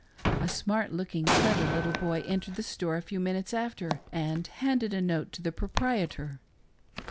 A smart looking, clever little boy entered the store a few minutes after and handed a note to the proprietor.